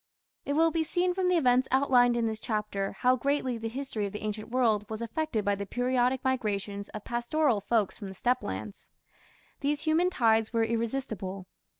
It will be seen from the events outlined in this chapter how greatly the history of the ancient world was affected by the periodic migrations of pastoral folks from the steppe lands. These human tides were irresistible.